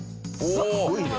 すごいな。